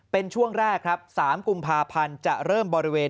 เป็นช่วงแรกครับ๓กุมภาพันธ์จะเริ่มบริเวณ